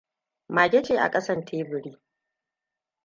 Mage ce a kasan teburi.